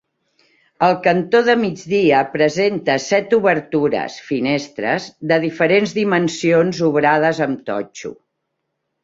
El cantó de migdia presenta set obertures -finestres- de diferents dimensions obrades amb totxo.